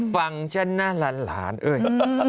ฟังฉันน่าร้านเอ่ย